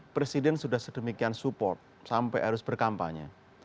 presiden sudah sedemikian support sampai harus berkampanye